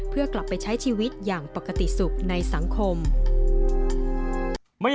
เพื่อกลับไปใช้ชีวิตอย่างปกติสุขในสังคม